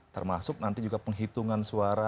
termasuk nanti juga penghitungan suara